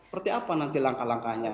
seperti apa nanti langkah langkahnya